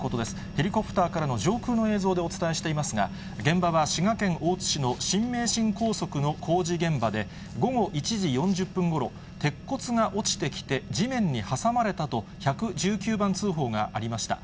ヘリコプターからの上空の映像でお伝えしていますが、現場は滋賀県大津市の新名神高速の工事現場で、午後１時４０分ごろ、鉄骨が落ちてきて地面に挟まれたと、１１９番通報がありました。